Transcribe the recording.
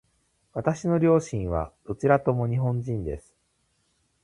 私の両親はどちらとも日本人です。